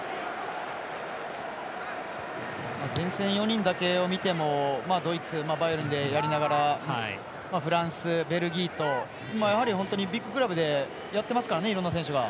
前線４人だけを見てもドイツ、バイエルンでやりながらフランス、ベルギーと本当にビッグクラブでやってますからねいろんな選手が。